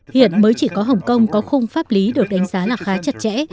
hiện mới chỉ có hồng kông có khung pháp lý được đánh giá là khá chặt chẽ